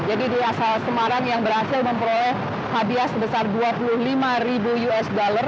jadi di asal semarang yang berhasil memperoleh hadiah sebesar dua puluh lima ribu usd